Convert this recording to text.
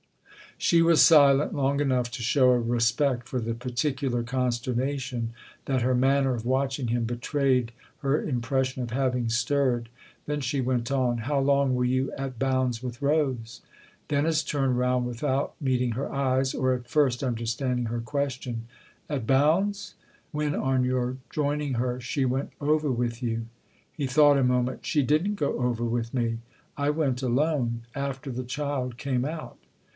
She was silent long enough to show a respect for the particular consternation that her manner of watching him betrayed her impression of having stirred ; then she went on :" How long were you at Bounds with Rose ?" Dennis turned round without meeting her eyes or, at first, understanding her question. " At Bounds ?"" When, on your joining her, she went over with you." He thought a moment. " She didn't go over with me. I went alone after the child came out."